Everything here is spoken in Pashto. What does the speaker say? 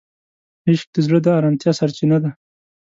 عشق د زړه د آرامتیا سرچینه ده.